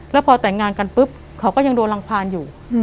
แล้วพอแต่งงานกันปุ๊บเขาก็ยังโดนรังพานอยู่